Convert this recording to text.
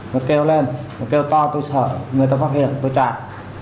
nó kêu lên nó kêu to tôi sợ người ta phát hiện tôi chạy